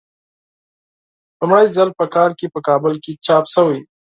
لومړی ځل په کال په کابل کې چاپ شوی.